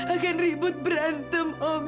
akan ribut berantem om